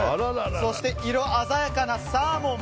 そして色鮮やかなサーモン。